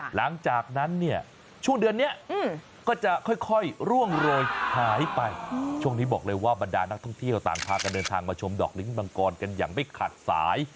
หลังจากนั้นเนี่ยช่วงเดือนนี้ก็จะค่อยร่วงโรยหายไปช่วงนี้บอกเลยว่าบรรดานักท่องเที่ยวต่างพากันเดินทางมาชมดอกลิ้นมังกรกันอย่างไม่ขาดสาย